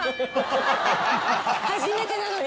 初めてなのに。